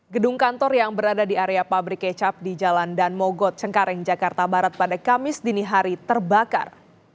gedung kantor yang berada di area pabrik kecap di jalan dan mogot cengkareng jakarta barat pada kamis dini hari terbakar